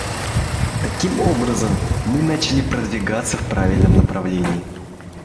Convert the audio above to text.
Таким образом, мы начали продвигаться в правильном направлении.